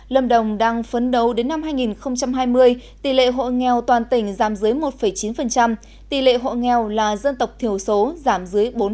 lâm đồng đang phấn đấu đến năm hai nghìn hai mươi tỷ lệ hộ nghèo toàn tỉnh giảm dưới một chín tỷ lệ hộ nghèo là dân tộc thiểu số giảm dưới bốn